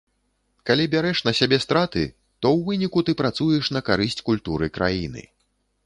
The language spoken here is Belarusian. Калі бярэш на сябе страты, то ў выніку ты працуеш на карысць культуры краіны.